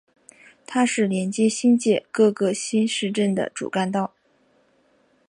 它是连接新界各个新市镇的主干道。